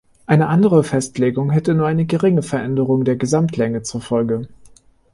Eine andere Festlegung hätte nur eine geringe Veränderung der Gesamtlänge zur Folge.